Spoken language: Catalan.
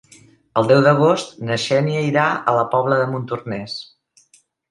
El deu d'agost na Xènia irà a la Pobla de Montornès.